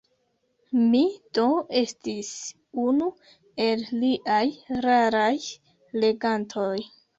Mi do estis unu el liaj raraj legantoj.